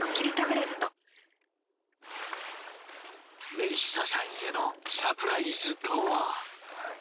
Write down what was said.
メリッサさんへのサプライズとは。